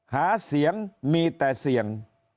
หาเสียงมีแต่เสี่ยง